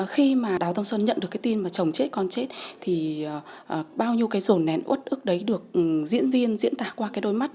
khi mà đào thông xuân nhận được cái tin mà chồng chết con chết thì bao nhiêu cái rồn nén út ước đấy được diễn viên diễn tả qua cái đôi mắt